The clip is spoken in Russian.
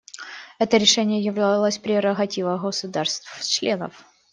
Это решение являлось прерогативой государств-членов.